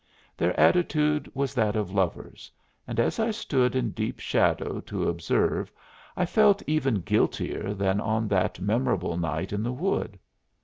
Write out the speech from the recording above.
Their attitude was that of lovers, and as I stood in deep shadow to observe I felt even guiltier than on that memorable night in the wood.